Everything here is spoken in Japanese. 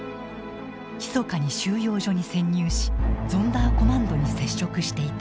ひそかに収容所に潜入しゾンダーコマンドに接触していた。